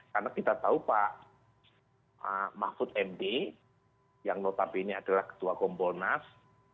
karena kita tahu pak mahfud md yang notabene adalah ketua komponas